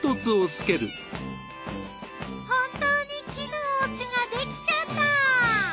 本当に木のおうちができちゃった！